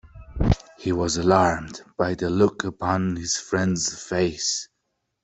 He was alarmed by the look upon his friend's face.